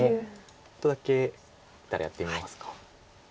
ちょっとだけやってみますか。